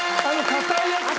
硬いやつか。